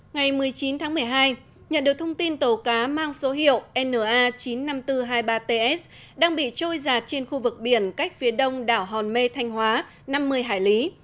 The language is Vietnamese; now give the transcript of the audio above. ngày một mươi chín tháng một mươi hai nhận được thông tin tàu cá mang số hiệu na chín mươi năm nghìn bốn trăm hai mươi ba ts đang bị trôi giạt trên khu vực biển cách phía đông đảo hòn mê thanh hóa năm mươi hải lý